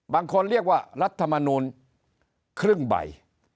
บางคนเรียกว่ารัฐมนูลครึ่งใบ